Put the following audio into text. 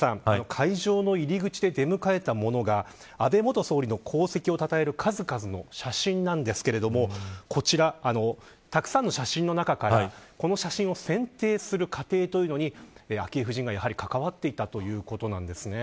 会場の入り口で出迎えたものが安倍元総理の功績をたたえる数々の写真なんですけれどもこちら、たくさんの写真の中からこの写真を選定する過程というのに昭恵夫人が、やはり関わっていたということなんですね。